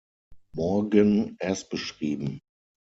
Morgan erstbeschrieben.